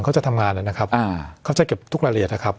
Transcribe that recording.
เขาจะทำงานแล้วนะครับเขาจะเก็บทุกรายละเอียดนะครับ